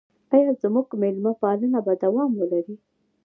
آیا زموږ میلمه پالنه به دوام ولري؟